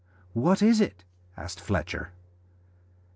"What is it?" asked Fletcher.